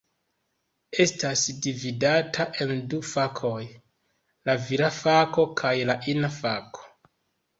Estas dividata en du fakoj: la vira fako kaj la ina fako.